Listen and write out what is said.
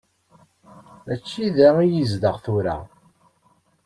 Mačči da i yezdeɣ tura.